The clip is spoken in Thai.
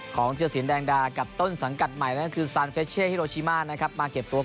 ของเที่ยวสินแดงด้ากับต้นสังกัดใหม่